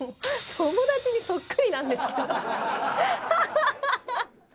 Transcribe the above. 友達にそっくりなんですけど。